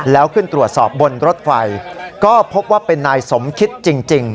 แล้วขึ้นตรวจสอบบนรถไฟก็พบว่าเป็นนายสมคิดจริง